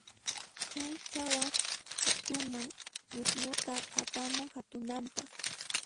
Chay ch'awaq qhatuman ñukñuta apamun qhatunanpaq.